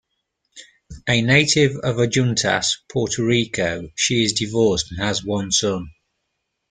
A native of Adjuntas, Puerto Rico, she is divorced and has one son.